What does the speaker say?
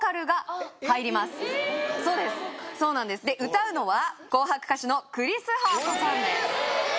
歌うのは紅白歌手のクリス・ハートさんです